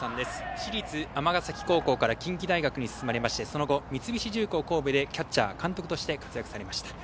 私立尼崎高校から近畿大学に進まれましてその後、三菱重工神戸でキャッチャー、監督として活躍されました。